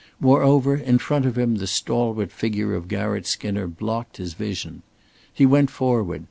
Moreover, in front of him the stalwart figure of Garratt Skinner blocked his vision. He went forward.